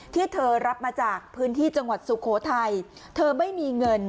ที่เธอรับมาจากพื้นที่จังหวัดสุโขทัยเธอไม่มีเงิน